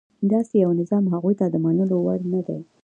داسې یو نظام هغوی ته د منلو وړ نه دی.